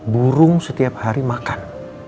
burung setiap hari makan